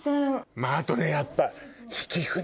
まぁあとねやっぱ。